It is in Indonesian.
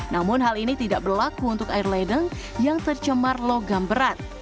namun hal ini tidak berlaku untuk air ledeng yang tercemar logam berat